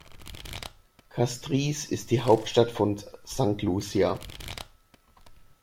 Castries ist die Hauptstadt von St. Lucia.